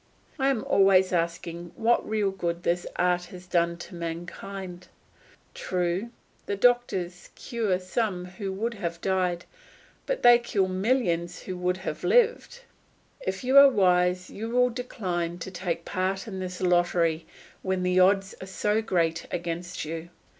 I am always asking what real good this art has done to mankind. True, the doctors cure some who would have died, but they kill millions who would have lived. If you are wise you will decline to take part in this lottery when the odds are so great against you.